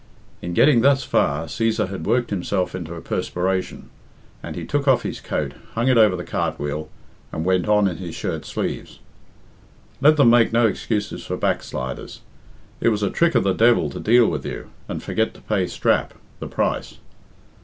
In getting thus far, Cæsar had worked himself into a perspiration, and he took off his coat, hung it over the cartwheel, and went on in his shirt sleeves. Let them make no excuses for backsliders. It was a trick of the devil to deal with you, and forget to pay strap (the price).